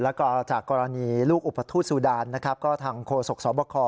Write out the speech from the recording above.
แล้วก็จากกรณีลูกอุปถุสุดานทางโครสกสบค